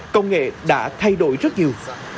công nghệ đã thay đổi rất nhiều